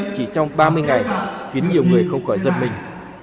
chỉ trong ba mươi ngày khiến nhiều người không khỏi giật mình